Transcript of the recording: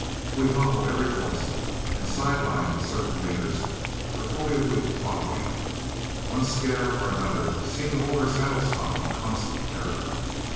We hobbled every horse and side lined certain leaders, and for fully a week following, one scare or another seemed to hold our saddle stock in constant terror.